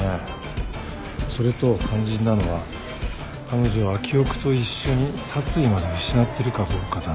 それと肝心なのは彼女は記憶と一緒に殺意まで失ってるかどうかだね。